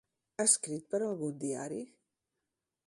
Ha escrit per algun diari?